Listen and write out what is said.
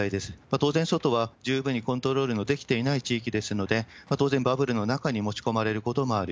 当然、外は十分にコントロールのできていない地域ですので、当然バブルの中に持ち込まれることもある。